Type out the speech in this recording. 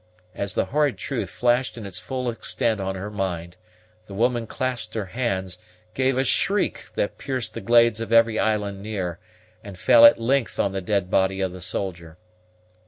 As the horrid truth flashed in its full extent on her mind, the woman clasped her hands, gave a shriek that pierced the glades of every island near, and fell at length on the dead body of the soldier.